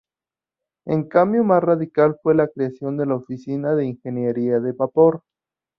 El cambio más radical fue la creación de la Oficina de Ingeniería de Vapor.